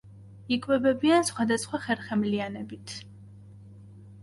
იკვებებიან სხვადასხვა ხერხემლიანებით.